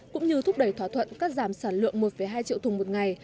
cũng như thúc đẩy thỏa thuận cắt giảm sản lượng một hai triệu thùng một ngày